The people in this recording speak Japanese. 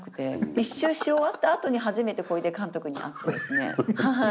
１周し終わったあとに初めて小出監督に会ってですねはい。